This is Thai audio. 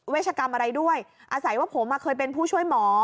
ชกรรมอะไรด้วยอาศัยว่าผมเคยเป็นผู้ช่วยหมอ